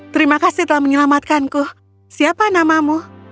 terima kasih telah menyelamatkanku siapa namamu